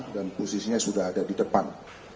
dan posisinya sudah ada di depan